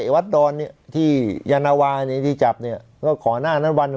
วัดดอนเนี่ยที่ยานวาเนี่ยที่จับเนี่ยก็ก่อนหน้านั้นวัน